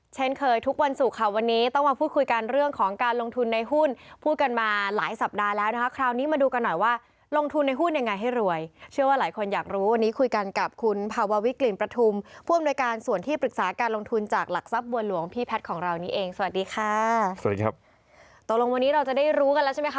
เช่นเคยทุกวันศุกร์ค่ะวันนี้ต้องมาพูดคุยกันเรื่องของการลงทุนในหุ้นพูดกันมาหลายสัปดาห์แล้วนะคะคราวนี้มาดูกันหน่อยว่าลงทุนในหุ้นยังไงให้รวยเชื่อว่าหลายคนอยากรู้วันนี้คุยกันกับคุณภาววิกลิ่นประทุมผู้อำนวยการส่วนที่ปรึกษาการลงทุนจากหลักทรัพย์บัวหลวงพี่แพทย์ของเรานี้เองสวัสดีค่ะสวัสดีครับตกลงวันนี้เราจะได้รู้กันแล้วใช่ไหมคะ